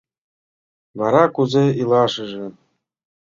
Вара кузе илашыже?